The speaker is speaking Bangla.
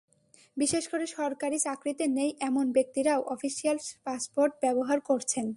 বিশেষ করে সরকারি চাকরিতে নেই এমন ব্যক্তিরাও অফিশিয়াল পাসপোর্ট ব্যবহার করছেন।